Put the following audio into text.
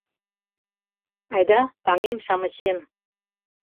Айда, таҥем-шамычем